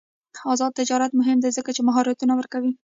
آزاد تجارت مهم دی ځکه چې مهارتونه ورکوي.